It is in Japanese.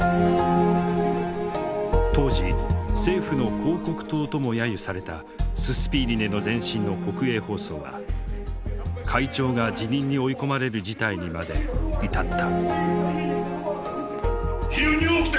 当時政府の広告塔とも揶揄されたススピーリネの前身の国営放送は会長が辞任に追い込まれる事態にまで至った。